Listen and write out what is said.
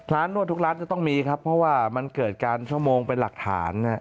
นวดทุกร้านจะต้องมีครับเพราะว่ามันเกิดการชั่วโมงเป็นหลักฐาน